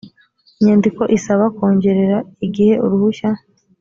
inyandiko isaba kongerera igihe uruhushya